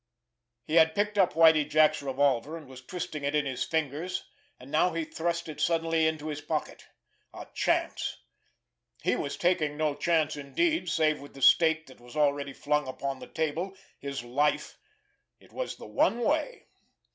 He had picked up Whitie Jack's revolver, and was twisting it in his fingers, and now he thrust it suddenly into his pocket. A chance! He was taking no chance, indeed, save with the stake that was already flung upon the table—his life. It was the one way!